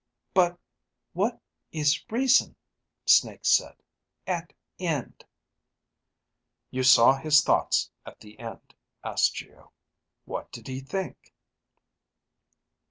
But ... what ... is ... reason, Snake said. At ... end ... "You saw his thoughts at the end?" asked Geo. "What did he think?"